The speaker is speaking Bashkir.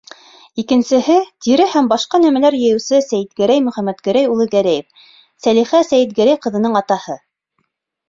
Икенсеһе — тире һәм башҡа нәмәләр йыйыусы Сәйетгәрәй Мөхәммәтгәрәй улы Гәрәев, Сәлиха Сәйетгәрәй ҡыҙының атаһы.